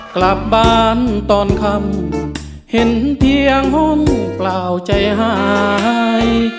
กลับบ้านตอนคำเห็นเพียงห้องเปล่าใจหาย